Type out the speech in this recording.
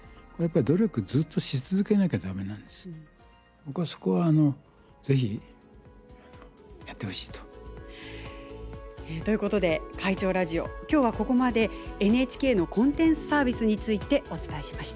僕はそこは是非やってほしいと。ということで「会長ラジオ」今日はここまでＮＨＫのコンテンツサービスについてお伝えしました。